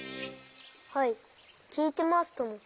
はいきいてますとも。